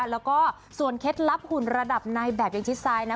แล้วก็ส่วนเคล็ดลับหุ่นระดับนายแบบยังชิดซ้ายนะ